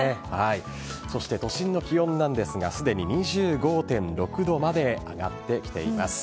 そして都心の気温なんですがすでに２５．６度まで上がってきています。